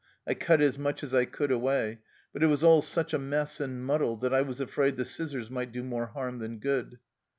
I cut as much as I could away, but it was all such a mess and muddle that I was afraid the scissors might do more harm than good."